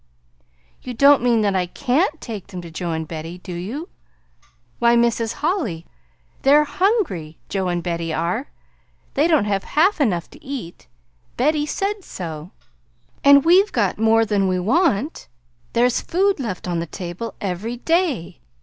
"You don't mean that I CAN'T take them to Joe and Betty, do you? Why, Mrs. Holly, they're hungry! Joe and Betty are. They don't have half enough to eat. Betty said so. And we've got more than we want. There's food left on the table every day.